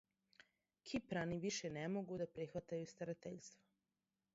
Кипрани више не могу да прихватају старатељство.